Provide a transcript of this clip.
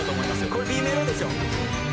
「これＢメロでしょ」